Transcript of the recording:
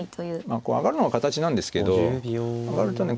こう上がるのは形なんですけど上がるとね